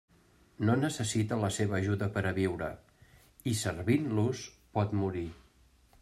No necessita la seva ajuda per a viure, i servint-los pot morir.